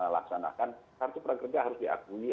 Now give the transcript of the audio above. laksanakan kartu prakerja harus diakui